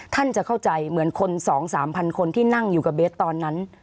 ท่านจะเข้าใจเหมือนคน๒๓พันคนที่นั่งอยู่กับเบสตอนนั้น